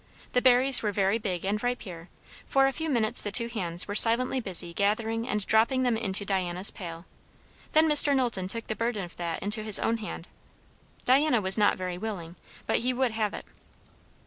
The berries were very big and ripe here; for a few minutes the two hands were silently busy gathering and dropping them into Diana's pail; then Mr. Knowlton took the burden of that into his own hand. Diana was not very willing, but he would have it.